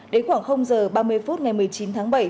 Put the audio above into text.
đến khoảng h ba mươi phút ngày một mươi chín tháng bảy